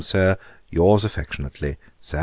Sir, Yours affectionately, SAM.